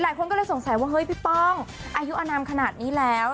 หลายคนก็เลยสงสัยว่าเฮ้ยพี่ป้องอายุอนามขนาดนี้แล้ว